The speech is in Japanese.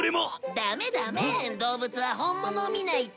ダメダメ動物は本物を見ないと。